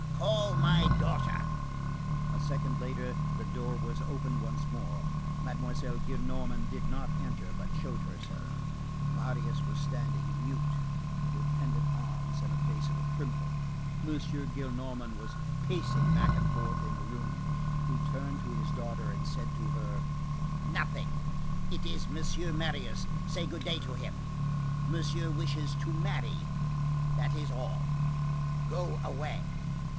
"Call my daughter." A second later, the door was opened once more, Mademoiselle Gillenormand did not enter, but showed herself; Marius was standing, mute, with pendant arms and the face of a criminal; M. Gillenormand was pacing back and forth in the room. He turned to his daughter and said to her:— "Nothing. It is Monsieur Marius. Say good day to him. Monsieur wishes to marry. That's all. Go away."